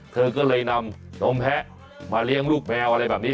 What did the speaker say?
เธอก็เลยนำนมแพะมาเลี้ยงลูกแมวอะไรแบบนี้